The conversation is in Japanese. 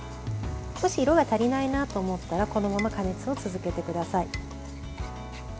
もし色が足りないなと思ったらこのまま加熱を続けてください。